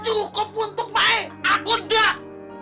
cukup untuk maek aku ndak